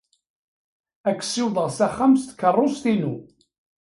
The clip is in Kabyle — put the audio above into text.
Ad k-ssiwḍeɣ s axxam s tkeṛṛust-inu.